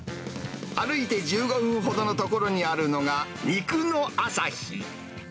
歩いて１５分ほどの所にあるのが、肉のあさひ。